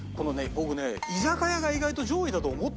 僕ね居酒屋が意外と上位だと思ったのよ。